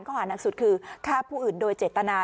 ข้อหานักสุดคือฆ่าผู้อื่นโดยเจตนา